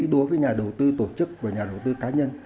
đối với nhà đầu tư tổ chức và nhà đầu tư cá nhân